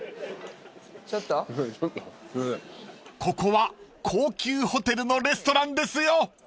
［ここは高級ホテルのレストランですよ！］